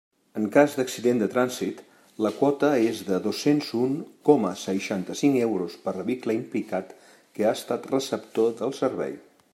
En cas d'accident de trànsit, la quota és de dos-cents un coma seixanta-cinc euros per vehicle implicat que ha estat receptor del servei.